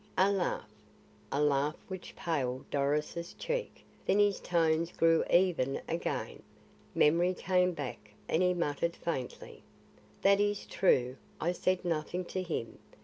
A laugh; a laugh which paled Doris' cheek; then his tones grew even again, memory came back and he muttered faintly: "That is true. I said nothing to him.